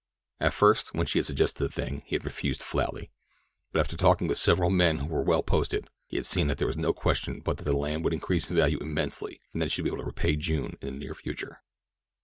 At first, when she had suggested this thing, he had refused flatly, but after talking with several men who were well posted, he had seen that there was no question but that the land would increase in value immensely and that he should be able to repay June in the near future.